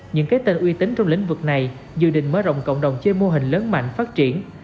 những cái tên uy tín trong lĩnh vực này dự định mở rộng cộng đồng chia mô hình lớn mạnh phát triển